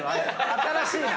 新しいな。